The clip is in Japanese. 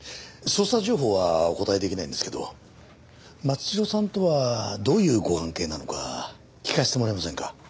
捜査情報はお答えできないんですけど松代さんとはどういうご関係なのか聞かせてもらえませんか？